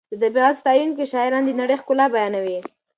د طبیعت ستایونکي شاعران د نړۍ ښکلا بیانوي.